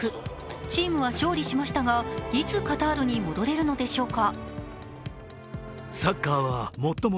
チームは勝利しましたが、いつカタールに戻れるのでしょうか。